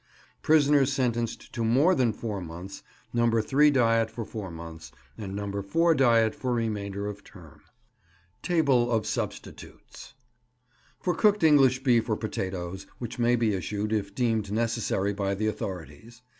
Prisoners sentenced to more than four months, No. 3 diet for four months, and No. 4 diet for remainder of term. TABLE OF SUBSTITUTES For cooked English beef or potatoes, which may be issued, if deemed necessary, by the authorities.